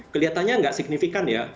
keliatannya tidak signifikan ya